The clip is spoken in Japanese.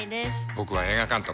僕は映画監督。